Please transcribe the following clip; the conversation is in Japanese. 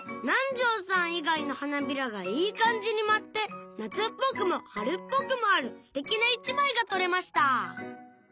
南條さん以外の花びらがいい感じに舞って夏っぽくも春っぽくもある素敵な１枚が撮れました